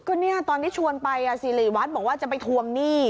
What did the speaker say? ก็เนี่ยตอนที่ชวนไปสิริวัฒน์บอกว่าจะไปทวงหนี้